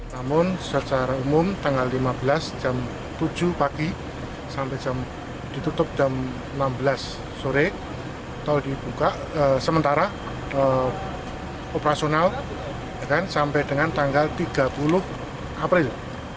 namun secara umum tanggal lima belas jam tujuh pagi sampai jam ditutup jam enam belas sore tol dibuka sementara operasional sampai dengan tanggal tiga puluh april